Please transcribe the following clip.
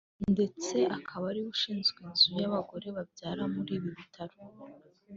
ndetse akaba ari we ushinzwe inzu y’abagore babyara muri ibi bitaro